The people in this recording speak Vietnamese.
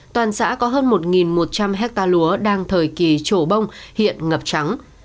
toàn xã có hơn một một trăm linh hectare lúa đang thời kỳ trổ bông hiện ngập trắng